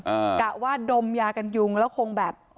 กะว่าดมยากันยุงแล้วคงแบบ